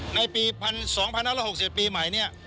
ในปี๒๐๖๗ปีใหม่นี้